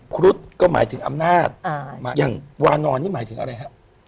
ครุฑก็หมายถึงอำนาจอย่างวานอนนี่หมายถึงอะไรฮะ